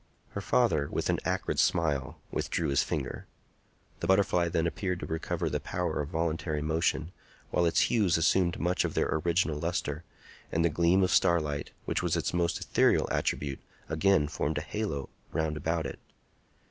Her father, with an acrid smile, withdrew his finger. The butterfly then appeared to recover the power of voluntary motion, while its hues assumed much of their original lustre, and the gleam of starlight, which was its most ethereal attribute, again formed a halo round about it.